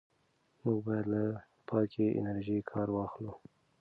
موږ باید له پاکې انرژۍ کار واخلو.